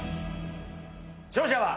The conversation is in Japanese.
勝者は。